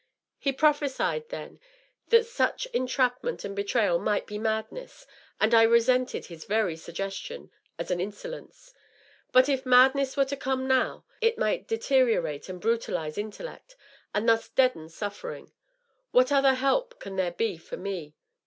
^ He prophesied, then, that such entrap ment and betrayal might be madness, and I resented his very suggestion as an insolence. Best if madness were to come now. It might deteri orate and brutalize intellect, and thus deaden suffering. .• What other help can there be for me?